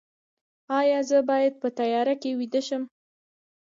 ایا زه باید په تیاره کې ویده شم؟